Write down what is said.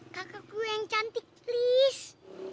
kakak gue yang cantik please